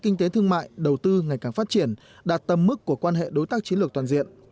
kinh tế thương mại đầu tư ngày càng phát triển đạt tầm mức của quan hệ đối tác chiến lược toàn diện